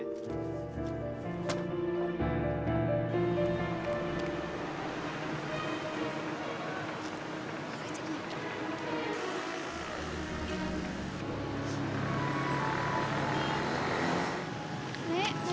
kita dikitissement textbook gitu